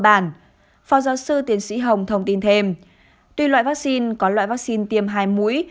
bản phó giáo sư tiến sĩ hồng thông tin thêm tùy loại vắc xin có loại vắc xin tiêm hai mũi